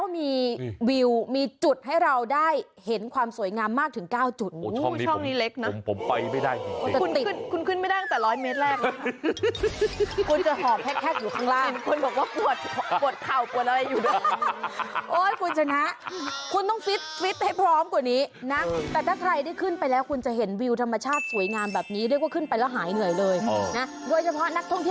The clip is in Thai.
มีแต่เขา